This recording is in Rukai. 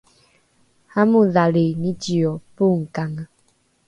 amodhali nizio pongkange